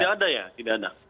tidak ada ya tidak ada